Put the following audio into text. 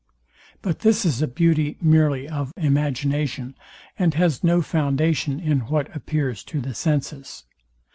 But this is a beauty merely of imagination, and has no foundation in what appears to the senses.